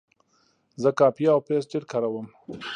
زه کاپي او پیسټ ډېر کاروم.